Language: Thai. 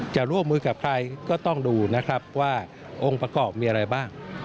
จะร่วมมือกับใครก็ต้องดูนะครับว่าองค์ประกอบมีอะไรบ้าง